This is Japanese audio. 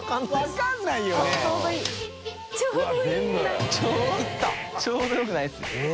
ちょうどよくないです